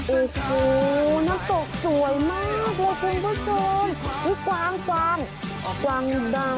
โอ้โหน้ำตกสวยมากเลยคุณผู้ชมคือกวางกวางกวางดาว